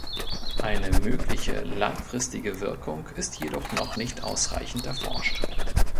Eine mögliche langfristige Wirkung ist jedoch noch nicht ausreichend erforscht.